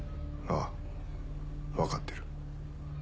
ああ分かってる。